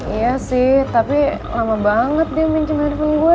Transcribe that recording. iya sih tapi lama banget dia mincin handphone gue